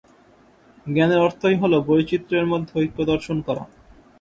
জ্ঞানের অর্থই হইল বৈচিত্র্যের মধ্যে ঐক্য দর্শন করা।